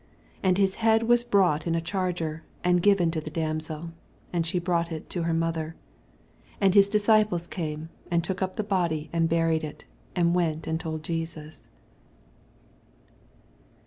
11 And his head was brought in a chai^er, and given to the damsel: and she brought U to her mother. 12 And his disciples came, and took up the body and buried it, and went and told Jesus.